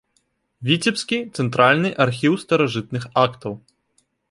Віцебскі цэнтральны архіў старажытных актаў.